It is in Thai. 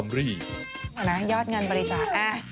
ยอดเงินบริจาค